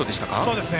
そうですね。